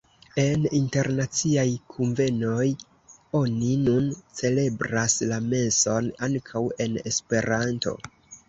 En internaciaj kunvenoj oni nun celebras la meson ankaŭ en Esperanto.